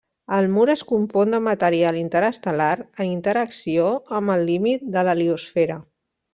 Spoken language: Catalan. El mur es compon de material interestel·lar en interacció amb el límit de l'heliosfera.